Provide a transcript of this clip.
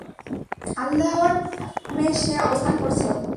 আল্লাহর হারমে সে অবস্থান করছিল।